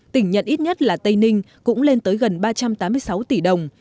tỉnh nhận ít nhất là tây ninh cũng lên tới gần ba trăm tám mươi sáu tỷ đồng